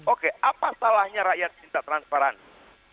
oke apa salahnya rakyat minta transparansi